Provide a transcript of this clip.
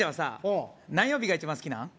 何曜日が一番好きなん？